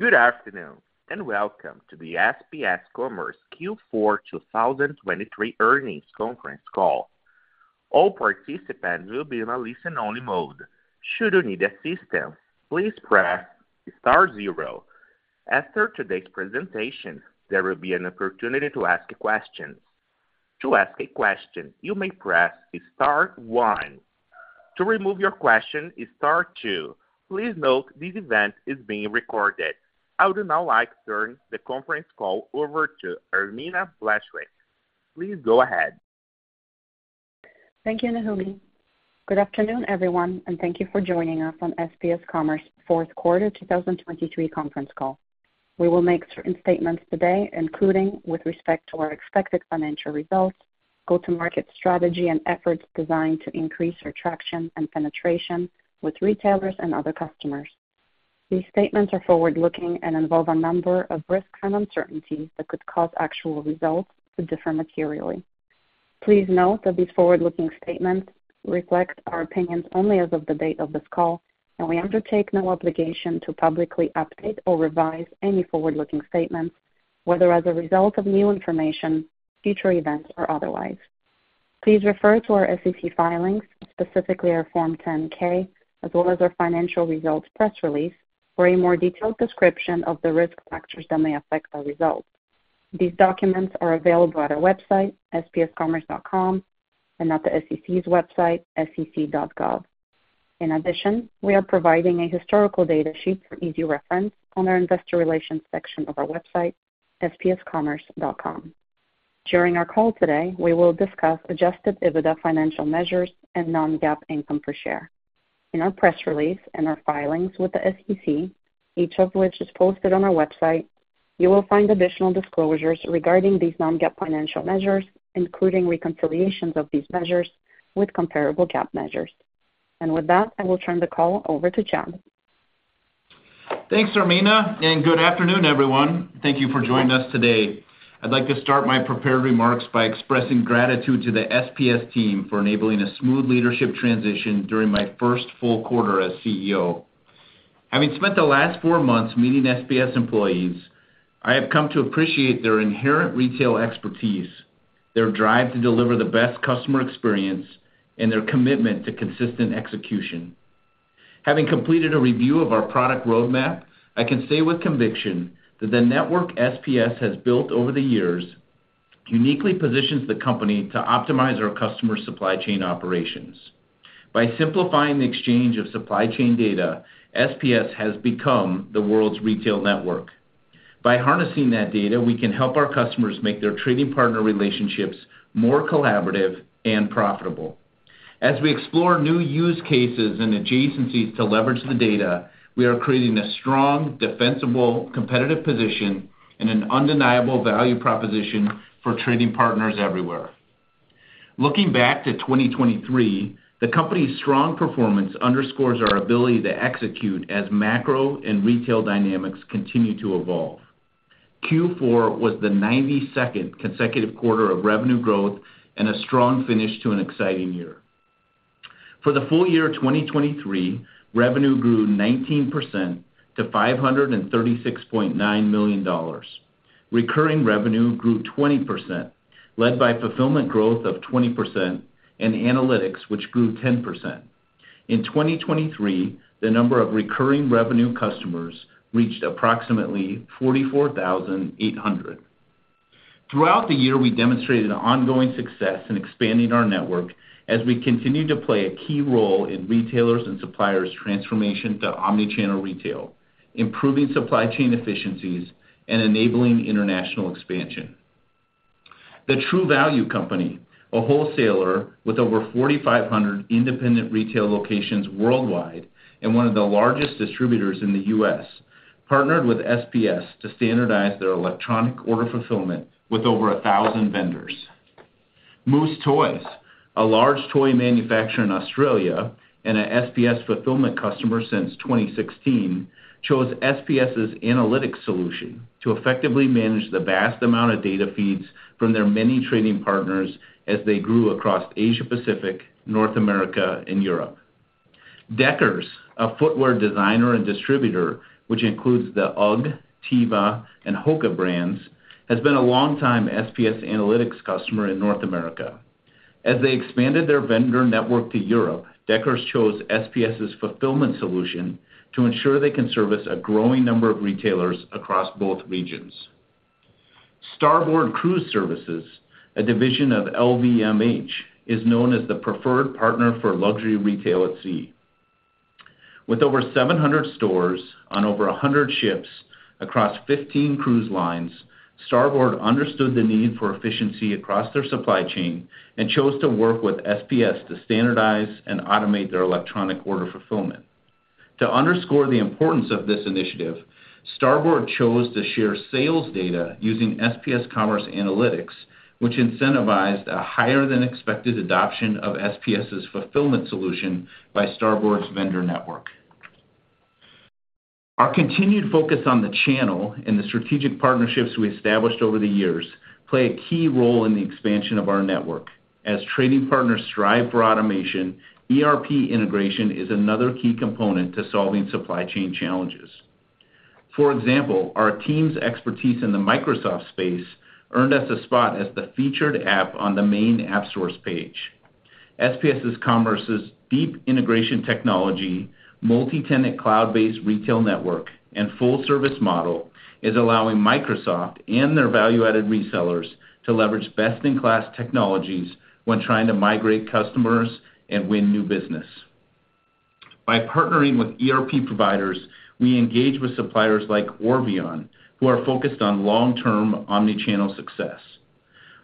Good afternoon and welcome to the SPS Commerce Q4 2023 earnings conference call. All participants will be in a listen-only mode. Should you need assistance, please press star zero. After today's presentation, there will be an opportunity to ask questions. To ask a question, you may press star one. To remove your question, press star two. Please note this event is being recorded. I would now like to turn the conference call over to Irmina Blaszczyk. Please go ahead. Thank you, Naomi. Good afternoon, everyone, and thank you for joining us on SPS Commerce's fourth quarter 2023 conference call. We will make certain statements today, including, with respect to our expected financial results, go-to-market strategy, and efforts designed to increase retention and penetration with retailers and other customers. These statements are forward-looking and involve a number of risks and uncertainties that could cause actual results to differ materially. Please note that these forward-looking statements reflect our opinions only as of the date of this call, and we undertake no obligation to publicly update or revise any forward-looking statements, whether as a result of new information, future events, or otherwise. Please refer to our SEC filings, specifically our Form 10-K, as well as our financial results press release, for a more detailed description of the risk factors that may affect our results. These documents are available at our website, spsccommerce.com, and at the SEC's website, sec.gov. In addition, we are providing a historical data sheet for easy reference on our investor relations section of our website, spscommerce.com. During our call today, we will discuss Adjusted EBITDA financial measures and Non-GAAP income per share. In our press release and our filings with the SEC, each of which is posted on our website, you will find additional disclosures regarding these Non-GAAP financial measures, including reconciliations of these measures with comparable GAAP measures. With that, I will turn the call over to Chad. Thanks, Irmina, and good afternoon, everyone. Thank you for joining us today. I'd like to start my prepared remarks by expressing gratitude to the SPS team for enabling a smooth leadership transition during my first full quarter as CEO. Having spent the last four months meeting SPS employees, I have come to appreciate their inherent retail expertise, their drive to deliver the best customer experience, and their commitment to consistent execution. Having completed a review of our product roadmap, I can say with conviction that the network SPS has built over the years uniquely positions the company to optimize our customer supply chain operations. By simplifying the exchange of supply chain data, SPS has become the world's retail network. By harnessing that data, we can help our customers make their trading partner relationships more collaborative and profitable. As we explore new use cases and adjacencies to leverage the data, we are creating a strong, defensible, competitive position, and an undeniable value proposition for trading partners everywhere. Looking back to 2023, the company's strong performance underscores our ability to execute as macro and retail dynamics continue to evolve. Q4 was the 92nd consecutive quarter of revenue growth and a strong finish to an exciting year. For the full year 2023, revenue grew 19% to $536.9 million. Recurring revenue grew 20%, led by fulfillment growth of 20% and analytics, which grew 10%. In 2023, the number of recurring revenue customers reached approximately 44,800. Throughout the year, we demonstrated ongoing success in expanding our network as we continue to play a key role in retailers and suppliers' transformation to omnichannel retail, improving supply chain efficiencies, and enabling international expansion. The True Value Company, a wholesaler with over 4,500 independent retail locations worldwide and one of the largest distributors in the US, partnered with SPS to standardize their electronic order fulfillment with over 1,000 vendors. Moose Toys, a large toy manufacturer in Australia and an SPS fulfillment customer since 2016, chose SPS's analytics solution to effectively manage the vast amount of data feeds from their many trading partners as they grew across Asia-Pacific, North America, and Europe. Deckers, a footwear designer and distributor, which includes the UGG, Teva, and HOKA brands, has been a longtime SPS analytics customer in North America. As they expanded their vendor network to Europe, Deckers chose SPS's fulfillment solution to ensure they can service a growing number of retailers across both regions. Starboard Cruise Services, a division of LVMH, is known as the preferred partner for luxury retail at sea. With over 700 stores on over 100 ships across 15 cruise lines, Starboard understood the need for efficiency across their supply chain and chose to work with SPS to standardize and automate their electronic order fulfillment. To underscore the importance of this initiative, Starboard chose to share sales data using SPS Commerce Analytics, which incentivized a higher-than-expected adoption of SPS's fulfillment solution by Starboard's vendor network. Our continued focus on the channel and the strategic partnerships we established over the years play a key role in the expansion of our network. As trading partners strive for automation, ERP integration is another key component to solving supply chain challenges. For example, our team's expertise in the Microsoft space earned us a spot as the featured app on the main AppSource page. SPS Commerce's deep integration technology, multi-tenant cloud-based retail network, and full-service model is allowing Microsoft and their value-added resellers to leverage best-in-class technologies when trying to migrate customers and win new business. By partnering with ERP providers, we engage with suppliers like Orveon, who are focused on long-term omnichannel success.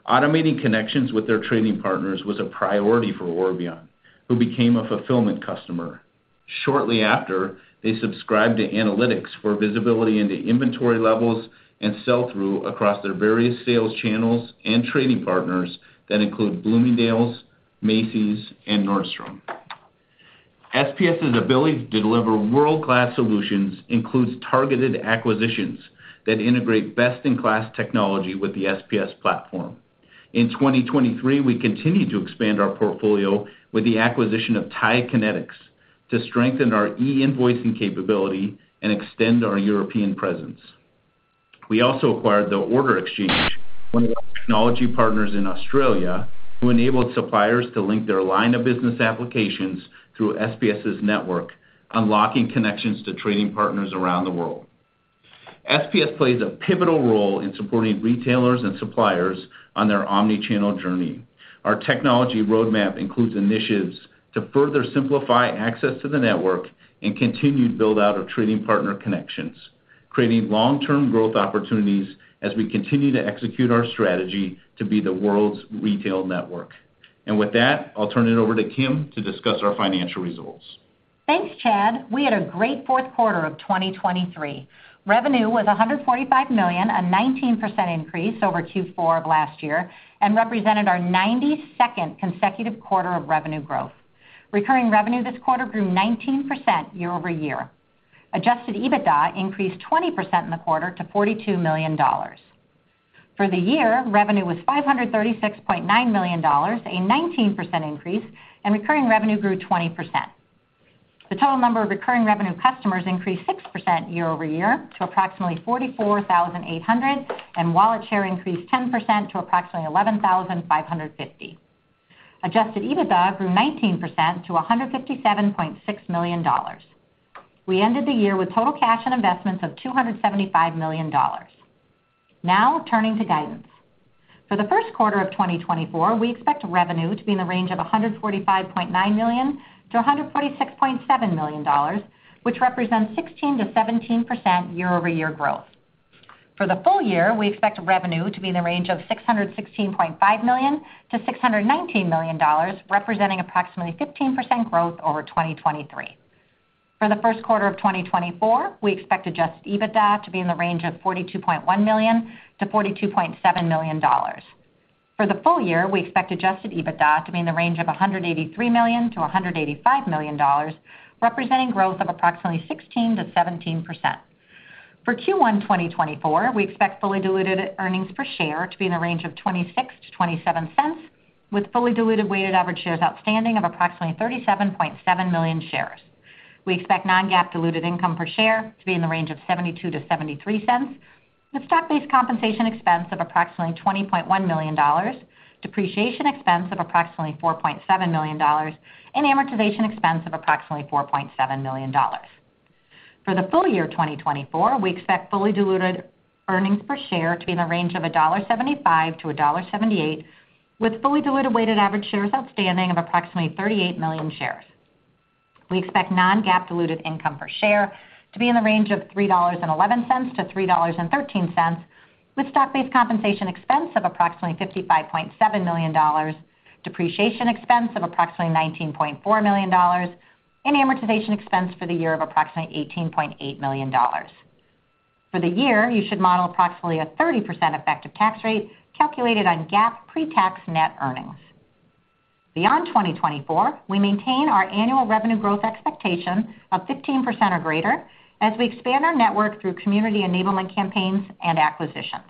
Automating connections with their trading partners was a priority for Orveon, who became a fulfillment customer. Shortly after, they subscribed to analytics for visibility into inventory levels and sell-through across their various sales channels and trading partners that include Bloomingdale's, Macy's, and Nordstrom. SPS's ability to deliver world-class solutions includes targeted acquisitions that integrate best-in-class technology with the SPS platform. In 2023, we continued to expand our portfolio with the acquisition of TIE Kinetix to strengthen our e-invoicing capability and extend our European presence. We also acquired The Order Exchange, one of our technology partners in Australia, who enabled suppliers to link their line of business applications through SPS's network, unlocking connections to trading partners around the world. SPS plays a pivotal role in supporting retailers and suppliers on their omnichannel journey. Our technology roadmap includes initiatives to further simplify access to the network and continued build-out of trading partner connections, creating long-term growth opportunities as we continue to execute our strategy to be the world's retail network. With that, I'll turn it over to Kim to discuss our financial results. Thanks, Chad. We had a great fourth quarter of 2023. Revenue was $145 million, a 19% increase over Q4 of last year, and represented our 92nd consecutive quarter of revenue growth. Recurring revenue this quarter grew 19% year-over-year. Adjusted EBITDA increased 20% in the quarter to $42 million. For the year, revenue was $536.9 million, a 19% increase, and recurring revenue grew 20%. The total number of recurring revenue customers increased 6% year-over-year to approximately 44,800, and wallet share increased 10% to approximately 11,550. Adjusted EBITDA grew 19% to $157.6 million. We ended the year with total cash and investments of $275 million. Now, turning to guidance. For the first quarter of 2024, we expect revenue to be in the range of $145.9 million-$146.7 million, which represents 16%-17% year-over-year growth. For the full year, we expect revenue to be in the range of $616.5 million-$619 million, representing approximately 15% growth over 2023. For the first quarter of 2024, we expect adjusted EBITDA to be in the range of $42.1 million-$42.7 million. For the full year, we expect adjusted EBITDA to be in the range of $183 million-$185 million, representing growth of approximately 16%-17%. For Q1 2024, we expect fully diluted earnings per share to be in the range of $0.26-$0.27, with fully diluted weighted average shares outstanding of approximately 37.7 million shares. We expect Non-GAAP diluted income per share to be in the range of $0.72-$0.73, with stock-based compensation expense of approximately $20.1 million, depreciation expense of approximately $4.7 million, and amortization expense of approximately $4.7 million. For the full year 2024, we expect fully diluted earnings per share to be in the range of $1.75-$1.78, with fully diluted weighted average shares outstanding of approximately 38 million shares. We expect Non-GAAP diluted income per share to be in the range of $3.11-$3.13, with stock-based compensation expense of approximately $55.7 million, depreciation expense of approximately $19.4 million, and amortization expense for the year of approximately $18.8 million. For the year, you should model approximately a 30% effective tax rate calculated on GAAP pre-tax net earnings. Beyond 2024, we maintain our annual revenue growth expectation of 15% or greater as we expand our network through community enablement campaigns and acquisitions.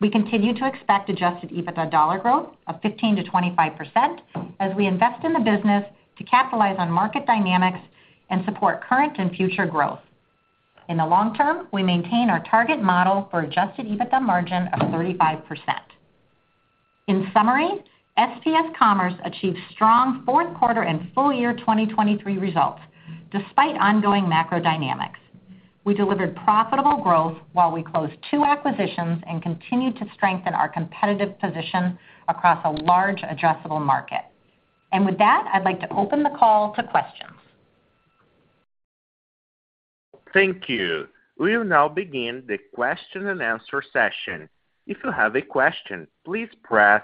We continue to expect Adjusted EBITDA dollar growth of 15%-25% as we invest in the business to capitalize on market dynamics and support current and future growth. In the long term, we maintain our target model for Adjusted EBITDA margin of 35%. In summary, SPS Commerce achieved strong fourth quarter and full year 2023 results despite ongoing macro dynamics. We delivered profitable growth while we closed two acquisitions and continued to strengthen our competitive position across a large adjustable market. With that, I'd like to open the call to questions. Thank you. We will now begin the question-and-answer session. If you have a question, please press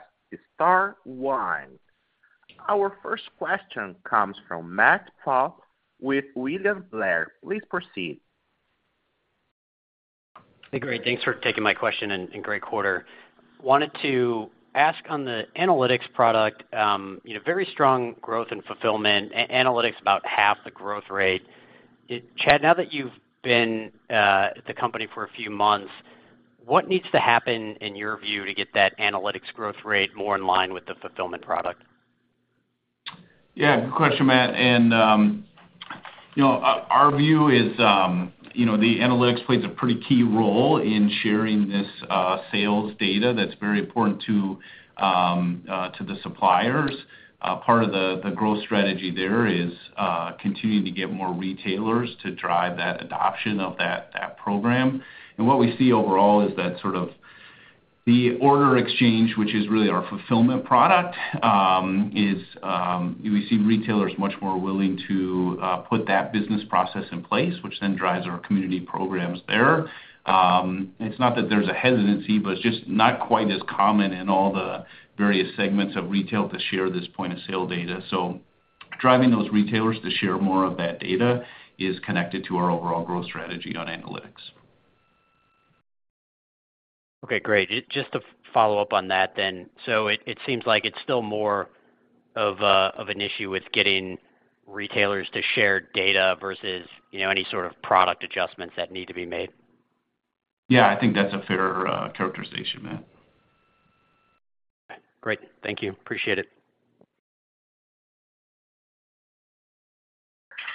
star one. Our first question comes from Matt Pfau with William Blair. Please proceed. Hey, great. Thanks for taking my question and great quarter. Wanted to ask on the analytics product, very strong growth and fulfillment, analytics about half the growth rate. Chad, now that you've been at the company for a few months, what needs to happen in your view to get that analytics growth rate more in line with the fulfillment product? Yeah, good question, Matt. Our view is the analytics plays a pretty key role in sharing this sales data that's very important to the suppliers. Part of the growth strategy there is continuing to get more retailers to drive that adoption of that program. What we see overall is that sort of The Order Exchange, which is really our fulfillment product, is we see retailers much more willing to put that business process in place, which then drives our community programs there. It's not that there's a hesitancy, but it's just not quite as common in all the various segments of retail to share this point of sale data. Driving those retailers to share more of that data is connected to our overall growth strategy on analytics. Okay, great. Just to follow up on that then, so it seems like it's still more of an issue with getting retailers to share data versus any sort of product adjustments that need to be made? Yeah, I think that's a fair characterization, Matt. Okay, great. Thank you. Appreciate it.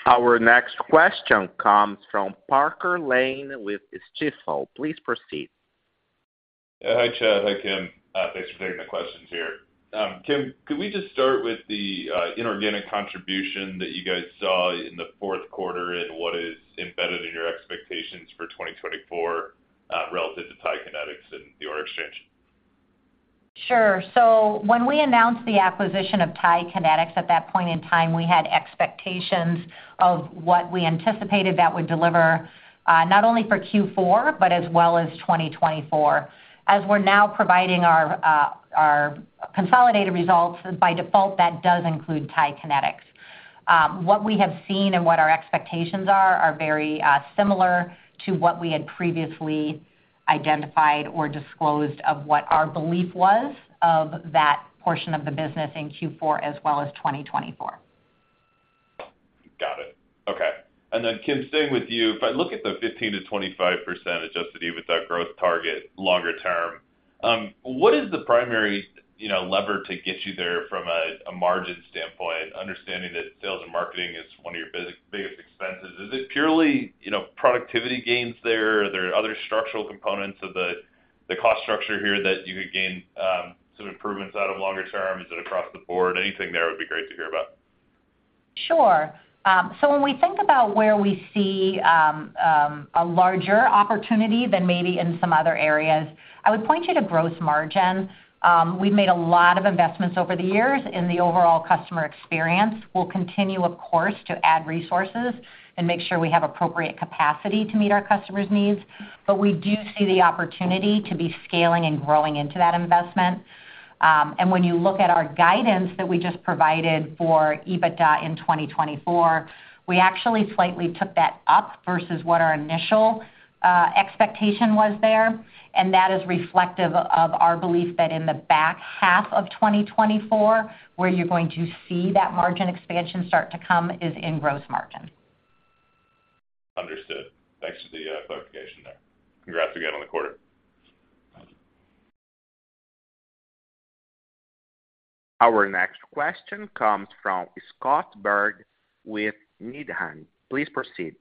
Our next question comes from Parker Lane with Stifel. Please proceed. Hi, Chad. Hi, Kim. Thanks for taking the questions here. Kim, could we just start with the inorganic contribution that you guys saw in the fourth quarter and what is embedded in your expectations for 2024 relative to TIE Kinetix and The Order Exchange? Sure. So when we announced the acquisition of TIE Kinetix, at that point in time, we had expectations of what we anticipated that would deliver not only for Q4 but as well as 2024. As we're now providing our consolidated results, by default, that does include TIE Kinetix. What we have seen and what our expectations are are very similar to what we had previously identified or disclosed of what our belief was of that portion of the business in Q4 as well as 2024. Got it. Okay. And then, Kim, staying with you, if I look at the 15%-25% Adjusted EBITDA growth target longer term, what is the primary lever to get you there from a margin standpoint, understanding that sales and marketing is one of your biggest expenses? Is it purely productivity gains there? Are there other structural components of the cost structure here that you could gain some improvements out of longer term? Is it across the board? Anything there would be great to hear about. Sure. So when we think about where we see a larger opportunity than maybe in some other areas, I would point you to gross margin. We've made a lot of investments over the years in the overall customer experience. We'll continue, of course, to add resources and make sure we have appropriate capacity to meet our customers' needs. But we do see the opportunity to be scaling and growing into that investment. And when you look at our guidance that we just provided for EBITDA in 2024, we actually slightly took that up versus what our initial expectation was there. And that is reflective of our belief that in the back half of 2024, where you're going to see that margin expansion start to come is in gross margin. Understood. Thanks for the clarification there. Congrats again on the quarter. Our next question comes from Scott Berg with Needham. Please proceed.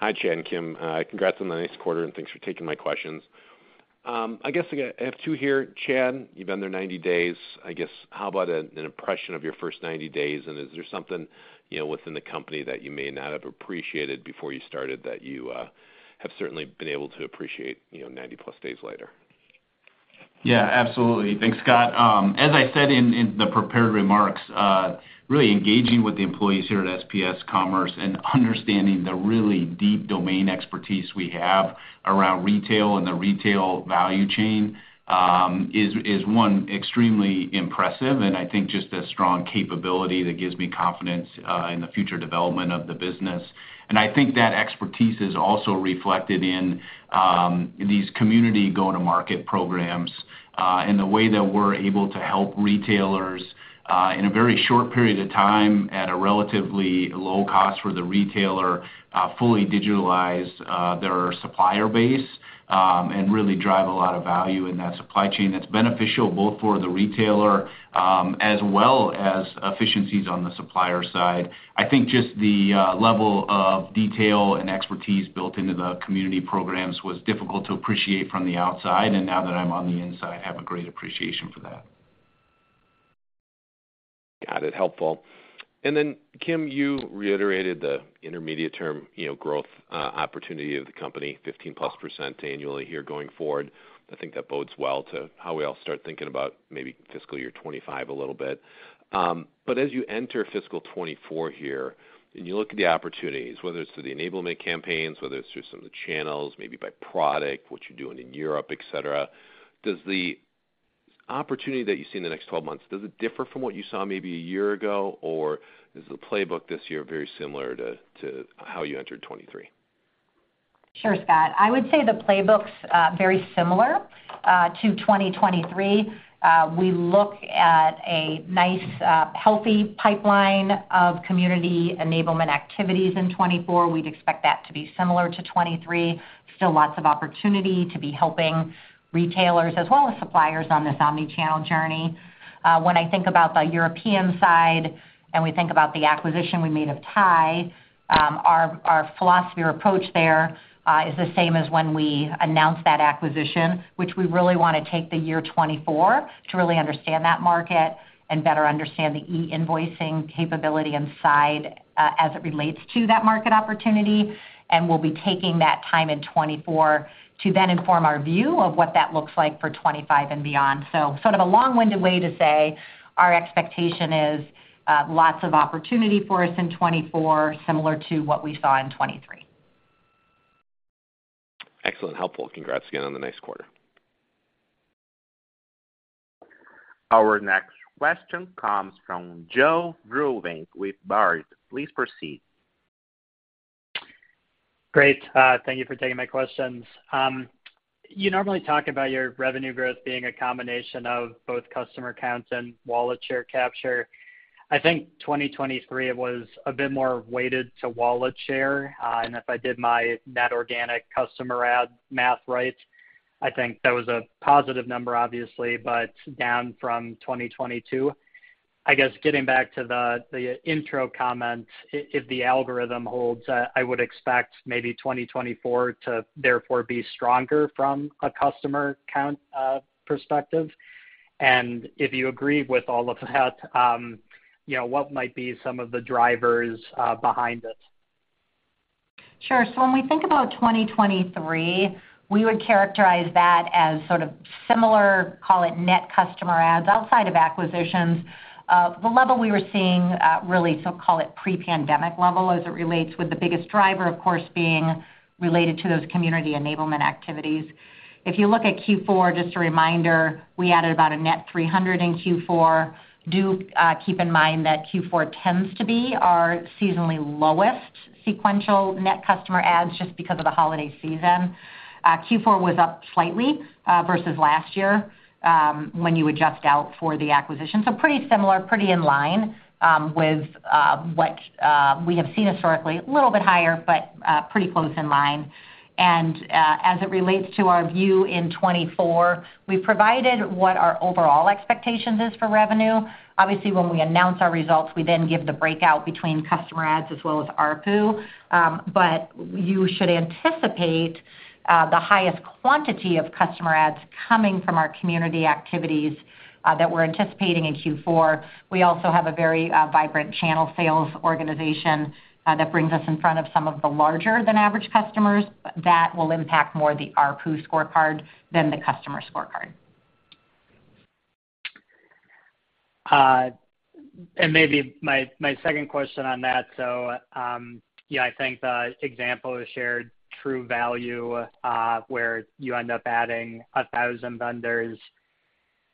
Hi, Chad and Kim. Congrats on the next quarter, and thanks for taking my questions. I guess I have two here. Chad, you've been there 90 days. I guess how about an impression of your first 90 days? And is there something within the company that you may not have appreciated before you started that you have certainly been able to appreciate 90+ days later? Yeah, absolutely. Thanks, Scott. As I said in the prepared remarks, really engaging with the employees here at SPS Commerce and understanding the really deep domain expertise we have around retail and the retail value chain is, one, extremely impressive, and I think just a strong capability that gives me confidence in the future development of the business. I think that expertise is also reflected in these community go-to-market programs and the way that we're able to help retailers in a very short period of time at a relatively low cost for the retailer, fully digitalize their supplier base, and really drive a lot of value in that supply chain that's beneficial both for the retailer as well as efficiencies on the supplier side. I think just the level of detail and expertise built into the community programs was difficult to appreciate from the outside. Now that I'm on the inside, I have a great appreciation for that. Got it. Helpful. And then, Kim, you reiterated the intermediate-term growth opportunity of the company, 15%+ annually here going forward. I think that bodes well to how we all start thinking about maybe fiscal year 2025 a little bit. But as you enter fiscal 2024 here and you look at the opportunities, whether it's through the enablement campaigns, whether it's through some of the channels, maybe by product, what you're doing in Europe, etc., does the opportunity that you see in the next 12 months, does it differ from what you saw maybe a year ago, or is the playbook this year very similar to how you entered 2023? Sure, Scott. I would say the playbook's very similar to 2023. We look at a nice, healthy pipeline of community enablement activities in 2024. We'd expect that to be similar to 2023. Still lots of opportunity to be helping retailers as well as suppliers on this omnichannel journey. When I think about the European side and we think about the acquisition we made of TIE, our philosophy or approach there is the same as when we announced that acquisition, which we really want to take the year 2024 to really understand that market and better understand the e-invoicing capability inside as it relates to that market opportunity. We'll be taking that time in 2024 to then inform our view of what that looks like for 2025 and beyond. sort of a long-winded way to say our expectation is lots of opportunity for us in 2024, similar to what we saw in 2023. Excellent. Helpful. Congrats again on the next quarter. Our next question comes from Joe Vruwink with Baird. Please proceed. Great. Thank you for taking my questions. You normally talk about your revenue growth being a combination of both customer accounts and Wallet Share capture. I think 2023, it was a bit more weighted to Wallet Share. And if I did my net organic customer add math right, I think that was a positive number, obviously, but down from 2022. I guess getting back to the intro comment, if the algorithm holds, I would expect maybe 2024 to therefore be stronger from a customer account perspective. And if you agree with all of that, what might be some of the drivers behind it? Sure. So when we think about 2023, we would characterize that as sort of similar, call it net customer adds outside of acquisitions, the level we were seeing really, so call it pre-pandemic level as it relates with the biggest driver, of course, being related to those community enablement activities. If you look at Q4, just a reminder, we added about a net 300 in Q4. Do keep in mind that Q4 tends to be our seasonally lowest sequential net customer adds just because of the holiday season. Q4 was up slightly versus last year when you adjust out for the acquisition. So pretty similar, pretty in line with what we have seen historically, a little bit higher but pretty close in line. And as it relates to our view in 2024, we've provided what our overall expectations are for revenue. Obviously, when we announce our results, we then give the breakout between customer adds as well as ARPU. You should anticipate the highest quantity of customer adds coming from our community activities that we're anticipating in Q4. We also have a very vibrant channel sales organization that brings us in front of some of the larger-than-average customers. That will impact more the ARPU scorecard than the customer scorecard. Maybe my second question on that. So I think the example is shared True Value where you end up adding 1,000 vendors.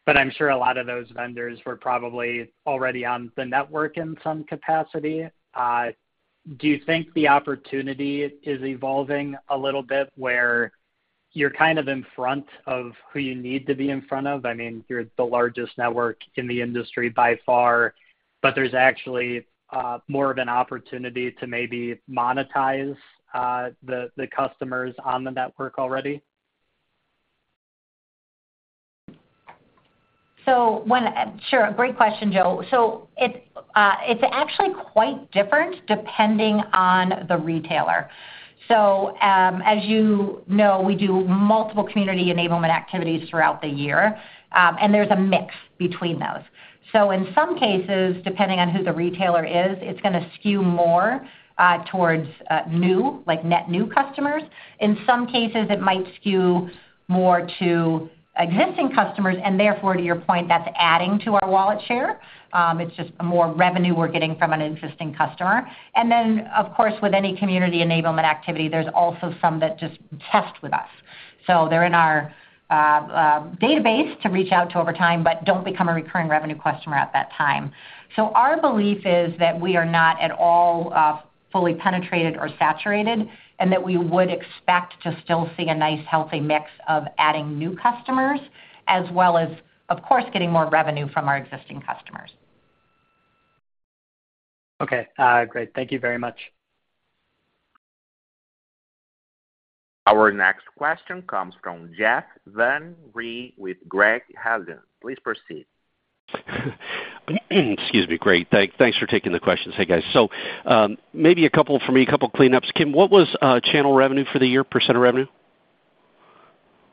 But I'm sure a lot of those vendors were probably already on the network in some capacity. Do you think the opportunity is evolving a little bit where you're kind of in front of who you need to be in front of? I mean, you're the largest network in the industry by far, but there's actually more of an opportunity to maybe monetize the customers on the network already? So sure, great question, Joe. So it's actually quite different depending on the retailer. So as you know, we do multiple community enablement activities throughout the year, and there's a mix between those. So in some cases, depending on who the retailer is, it's going to skew more towards net new customers. In some cases, it might skew more to existing customers. And therefore, to your point, that's adding to our wallet share. It's just more revenue we're getting from an existing customer. And then, of course, with any community enablement activity, there's also some that just test with us. So they're in our database to reach out to over time, but don't become a recurring revenue customer at that time. Our belief is that we are not at all fully penetrated or saturated and that we would expect to still see a nice, healthy mix of adding new customers as well as, of course, getting more revenue from our existing customers. Okay. Great. Thank you very much. Our next question comes from Jeff Van Rhee with Craig-Hallum. Please proceed. Excuse me. Great. Thanks for taking the questions. Hey, guys. So maybe a couple for me, a couple cleanups. Kim, what was channel revenue for the year, percent of revenue?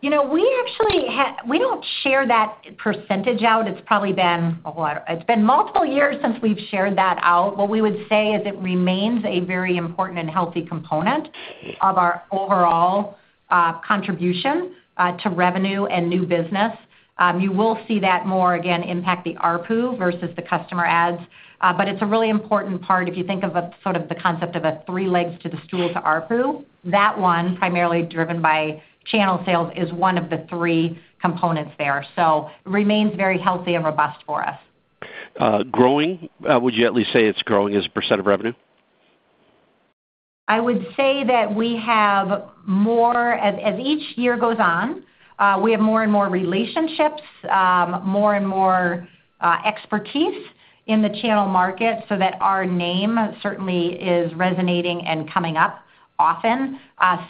We actually don't share that percentage out. It's probably been a whole it's been multiple years since we've shared that out. What we would say is it remains a very important and healthy component of our overall contribution to revenue and new business. You will see that more again impact the ARPU versus the customer adds. But it's a really important part if you think of sort of the concept of a three legs to the stool to ARPU. That one, primarily driven by channel sales, is one of the three components there. So it remains very healthy and robust for us. Growing? Would you at least say it's growing as a % of revenue? I would say that we have more as each year goes on, we have more and more relationships, more and more expertise in the channel market so that our name certainly is resonating and coming up often.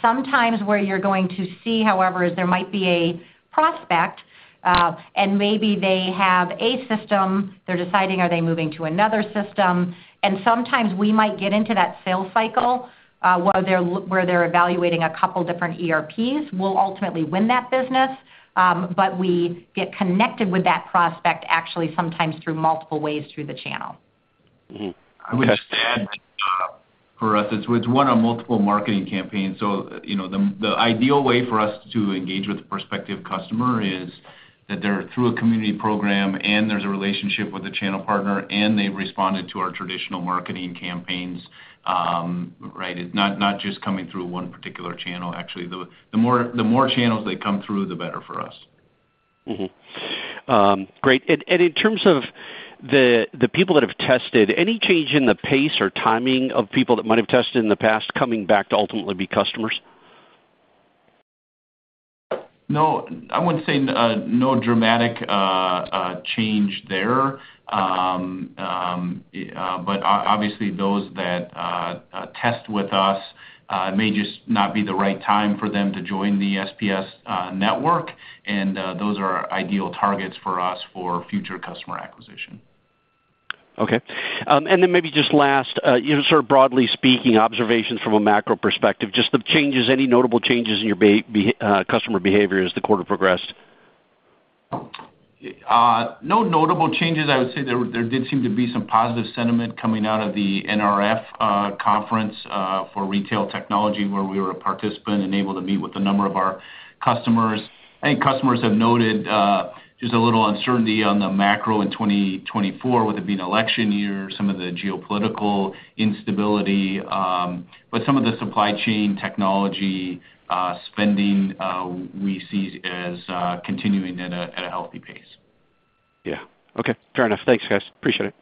Sometimes where you're going to see, however, is there might be a prospect, and maybe they have a system. They're deciding, are they moving to another system? And sometimes we might get into that sales cycle where they're evaluating a couple different ERPs. We'll ultimately win that business, but we get connected with that prospect actually sometimes through multiple ways through the channel. I would just add that for us, it's one of multiple marketing campaigns. So the ideal way for us to engage with a prospective customer is that they're through a community program, and there's a relationship with a channel partner, and they've responded to our traditional marketing campaigns, right? Not just coming through one particular channel, actually. The more channels they come through, the better for us. Great. In terms of the people that have tested, any change in the pace or timing of people that might have tested in the past coming back to ultimately be customers? No. I wouldn't say no dramatic change there. But obviously, those that test with us, it may just not be the right time for them to join the SPS network. Those are ideal targets for us for future customer acquisition. Okay. And then maybe just last, sort of broadly speaking, observations from a macro perspective, just the changes, any notable changes in your customer behavior as the quarter progressed? No notable changes. I would say there did seem to be some positive sentiment coming out of the NRF conference for retail technology where we were a participant and able to meet with a number of our customers. I think customers have noted just a little uncertainty on the macro in 2024 with it being election year, some of the geopolitical instability. But some of the supply chain technology spending we see as continuing at a healthy pace. Yeah. Okay. Fair enough. Thanks, guys. Appreciate it.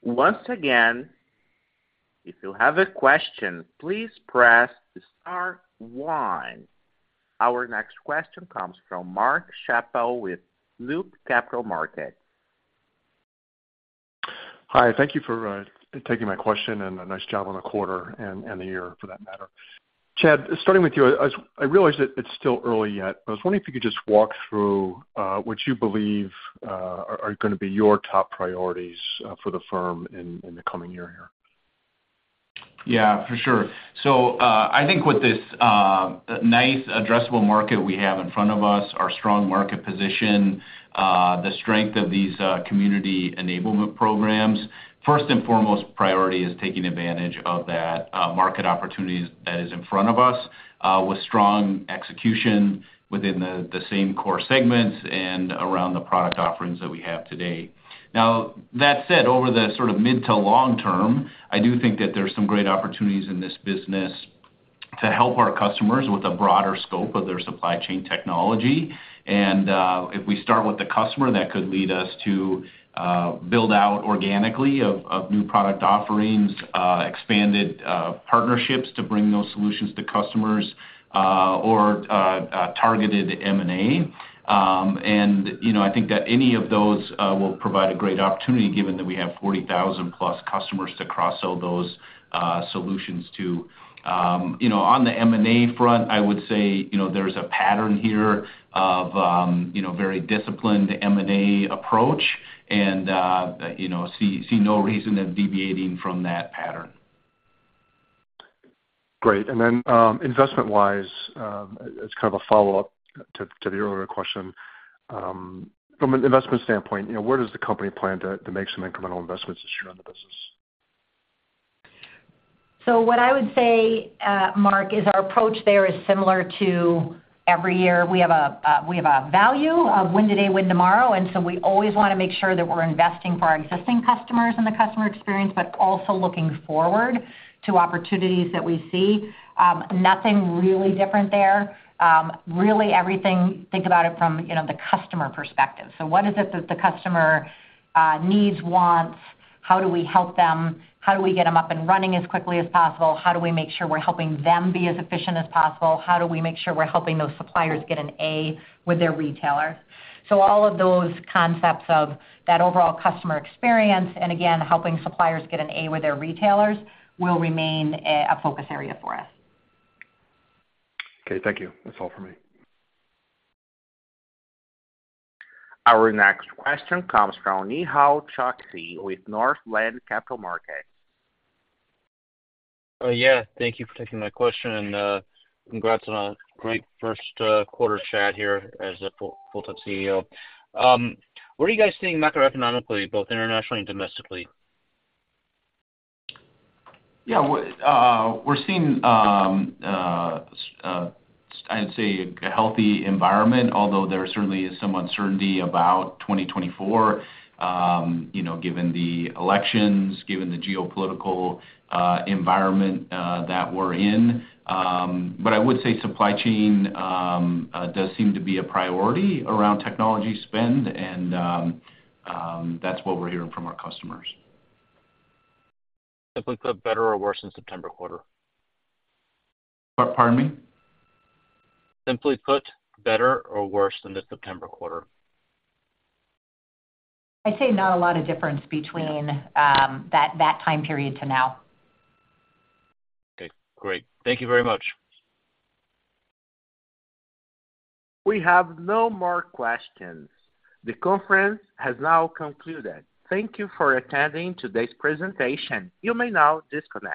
Once again, if you have a question, please press star one. Our next question comes from Mark Schappel with Loop Capital Markets. Hi. Thank you for taking my question and a nice job on the quarter and the year for that matter. Chad, starting with you, I realize that it's still early yet, but I was wondering if you could just walk through what you believe are going to be your top priorities for the firm in the coming year here. Yeah, for sure. So I think with this nice, addressable market we have in front of us, our strong market position, the strength of these community enablement programs, first and foremost priority is taking advantage of that market opportunity that is in front of us with strong execution within the same core segments and around the product offerings that we have today. Now, that said, over the sort of mid to long term, I do think that there's some great opportunities in this business to help our customers with a broader scope of their supply chain technology. And if we start with the customer, that could lead us to build out organically of new product offerings, expanded partnerships to bring those solutions to customers, or targeted M&A. And I think that any of those will provide a great opportunity given that we have 40,000+ customers to cross-sell those solutions to. On the M&A front, I would say there's a pattern here of very disciplined M&A approach and see no reason in deviating from that pattern. Great. And then investment-wise, as kind of a follow-up to the earlier question, from an investment standpoint, where does the company plan to make some incremental investments this year on the business? So what I would say, Mark, is our approach there is similar to every year. We have a value of win today, win tomorrow. And so we always want to make sure that we're investing for our existing customers and the customer experience, but also looking forward to opportunities that we see. Nothing really different there. Really, everything, think about it from the customer perspective. So what is it that the customer needs, wants? How do we help them? How do we get them up and running as quickly as possible? How do we make sure we're helping them be as efficient as possible? How do we make sure we're helping those suppliers get an A with their retailers? So all of those concepts of that overall customer experience and, again, helping suppliers get an A with their retailers will remain a focus area for us. Okay. Thank you. That's all from me. Our next question comes from Nehal Chokshi with Northland Capital Markets. Yeah. Thank you for taking my question. Congrats on a great first quarter, Chad, here as a full-time CEO. Where are you guys seeing macroeconomically, both internationally and domestically? Yeah. We're seeing, I'd say, a healthy environment, although there certainly is some uncertainty about 2024 given the elections, given the geopolitical environment that we're in. But I would say supply chain does seem to be a priority around technology spend, and that's what we're hearing from our customers. Simply put, better or worse than September quarter? Pardon me? Simply put, better or worse than the September quarter? I'd say not a lot of difference between that time period to now. Okay. Great. Thank you very much. We have no more questions. The conference has now concluded. Thank you for attending today's presentation. You may now disconnect.